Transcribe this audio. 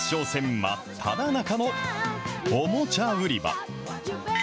真っただ中のおもちゃ売り場。